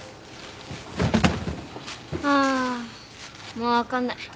もう分かんない。